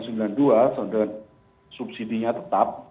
sudah subsidi nya tetap